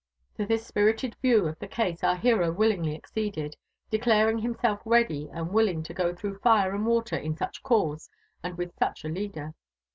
To this spirited view of the case our hero willingly acceded, de claring hinjself ready and willing to go through fire and water in sach a cause and wilh such a leader.